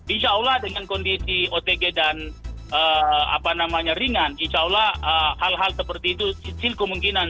insya allah dengan kondisi otg dan ringan insya allah hal hal seperti itu kecil kemungkinan